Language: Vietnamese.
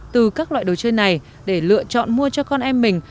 từ các loại đồ chơi này để lựa chọn mua cho con em mình